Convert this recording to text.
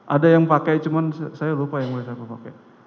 ada yang pakai cuman saya lupa yang boleh saya pakai